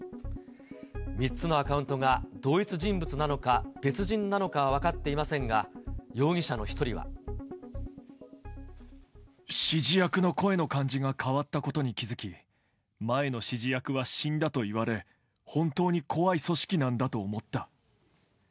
３つのアカウントが同一人物なのか、別人なのかは分かっていませんが、指示役の声の感じが変わったことに気付き、前の指示役は死んだと言われ、本当に怖い組織なんだと思った。